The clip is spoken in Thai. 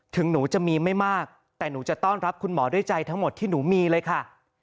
ถึงหนูจะมีไม่มากแต่หนูจะต้อนรับคุณหมอด้วยใจทั้งหมดที่หนูมีเลยค่ะ